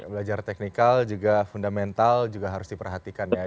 belajar teknikal juga fundamental juga harus diperhatikan ya